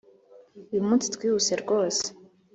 Uyu munsi twihuse rwose